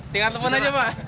tingkat telepon aja pak